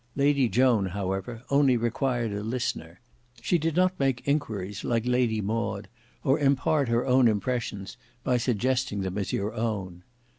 Lady Joan however only required a listener. She did not make enquiries like Lady Maud, or impart her own impressions by suggesting them as your own.